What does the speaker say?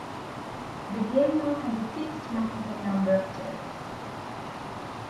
The game now has a fixed maximum number of turns.